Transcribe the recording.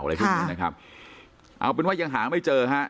อะไรพวกนี้นะครับเอาเป็นว่ายังหาไม่เจอฮะ